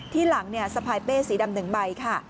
ที่หลังสะพายเป้สีดำ๑ใบค่ะ